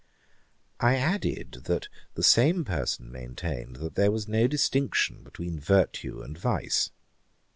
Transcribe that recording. I added, that the same person maintained that there was no distinction between virtue and vice.